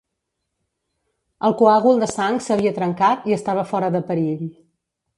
El coàgul de sang s'havia trencat i estava fora de perill.